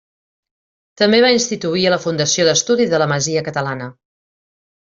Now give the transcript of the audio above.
També va instituir la Fundació d'Estudi de la Masia Catalana.